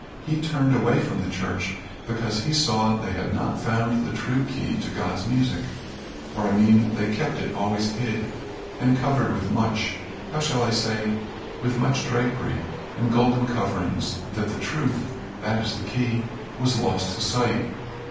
He turned away from the church, because he saw they had not found the true key to God's music or I mean they kept it always hid, and covered with much how shall I say with much drapery and golden coverings, that the truth that is the key was lost to sight.